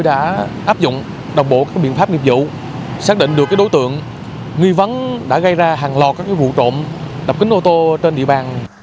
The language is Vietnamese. đã áp dụng đồng bộ các biện pháp nghiệp vụ xác định được đối tượng nghi vấn đã gây ra hàng loạt các vụ trộm đập kính ô tô trên địa bàn